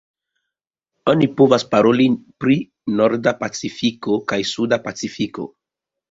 Oni povas paroli pri Norda Pacifiko kaj Suda Pacifiko.